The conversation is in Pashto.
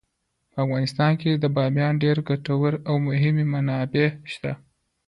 په افغانستان کې د بامیان ډیرې ګټورې او مهمې منابع شته.